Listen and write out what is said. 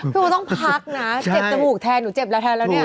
โอ๊ต้องพักนะเจ็บจมูกแทนหนูเจ็บแล้วแทนแล้วเนี่ย